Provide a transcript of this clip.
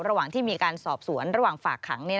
ระหว่างที่มีการสอบสวนระหว่างฝากขัง